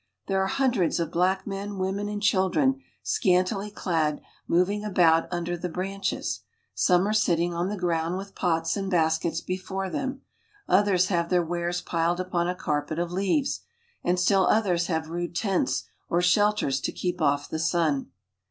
There are hundreds of black men, 'omen, and children, scantily clad, moving about under the I inches. Some are sitting on the ground with pots and . ikets before them, others have their wares piled upon a 1 irpet of leaves, and still others have rude tents or shelters , :o keep off the sun.